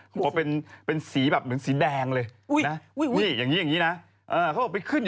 เขาบอกว่าเป็นสีแบบเหมือนสีแดงเลย